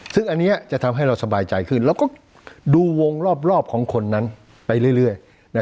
ซึ่งอันนี้จะทำให้เราสบายใจขึ้นแล้วก็ดูวงรอบของคนนั้นไปเรื่อย